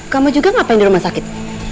kamu juga ngapain di rumah sakit